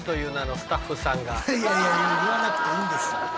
いやいやいや言わなくていいんです。